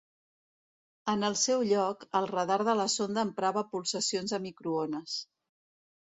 En el seu lloc, el radar de la sonda emprava pulsacions de microones.